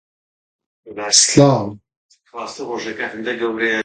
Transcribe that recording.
Currently, a fence surrounds the White House, but it did not always exist.